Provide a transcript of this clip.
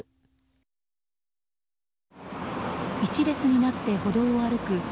１列になって歩道を歩く